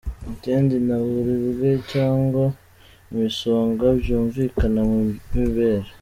Ikindi nta buribwe cyangwa imisonga byumvikana mu ibere.